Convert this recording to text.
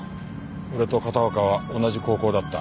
俺と片岡は同じ高校だった。